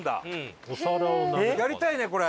やりたいねこれ。